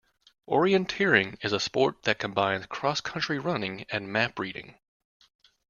Orienteering is a sport that combines cross-country running and map reading